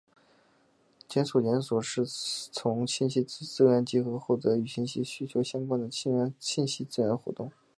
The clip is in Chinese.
资讯检索是从信息资源集合获得与信息需求相关的信息资源的活动。